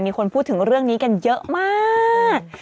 มีคนพูดถึงเรื่องนี้กันเยอะมาก